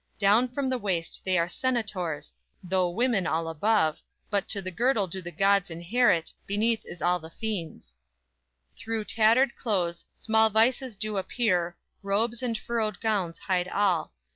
Down from the waist they are centaurs, Though women all above; But to the girdle do the gods inherit, Beneath is all the fiends._ _Through tattered clothes small vices do appear Robes and furred gowns hide all.